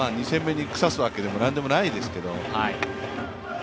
２戦目にクギ刺すわけでもなんでもないですけど。